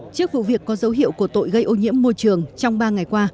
trước vụ việc có dấu hiệu của tội gây ô nhiễm môi trường trong ba ngày qua